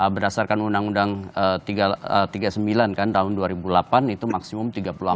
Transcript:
berdasarkan undang undang tiga puluh sembilan kan tahun dua ribu delapan itu maksimum tiga puluh empat